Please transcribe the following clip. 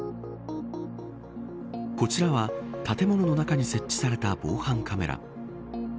こちらは建物の中に設置された防犯カメラ。